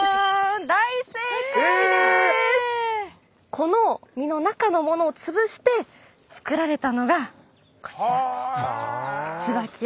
この実の中のものを潰して作られたのがこちらつばき油。